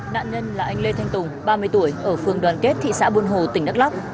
nạn nhân là anh lê thanh tùng ba mươi tuổi ở phường đoàn kết thị xã buôn hồ tỉnh đắk lắk